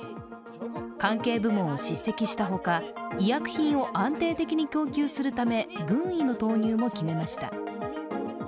関係部門を叱責したほか医薬品を安定的に供給するため、軍医の投入も決めました。